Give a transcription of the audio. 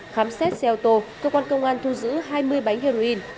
khám xét xe ô tô cơ quan công an thu giữ hai mươi bánh heroin